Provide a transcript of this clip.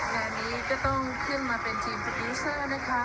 งานนี้ก็ต้องขึ้นมาเป็นทีมสปิวเซอร์นะคะ